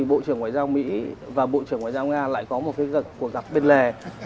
bộ trưởng ngoại giao mỹ và bộ trưởng ngoại giao nga lại có một cuộc gặp bên lề